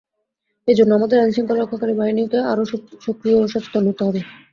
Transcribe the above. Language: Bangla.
এ জন্য আমাদের আইনশৃঙ্খলা রক্ষাকারী বাহিনীকে আরও সক্রিয় ও সচেতন হতে হবে।